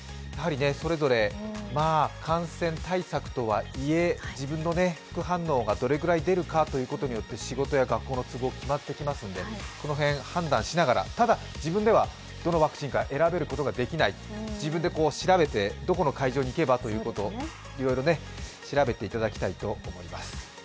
それぞれ感染対策とはいえ、自分の副反応がどれくらい出るかというのは、仕事や学校の都合が決まってきますのでこの辺、判断しながら、ただ自分ではどのワクチンか選ぶことができない、自分で調べて、どこの会場に行けばということ、いろいろ調べていただきたいと思います。